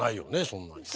そんなに。